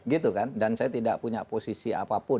gitu kan dan saya tidak punya posisi apapun